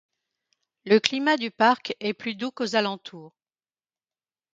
Le climat du parc est plus doux qu'aux alentours.